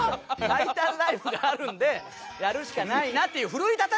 タイタンライブがあるんでやるしかないなっていう。